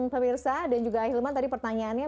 pemirsa dan juga ahilman tadi pertanyaannya